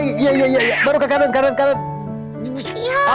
si buruk rupa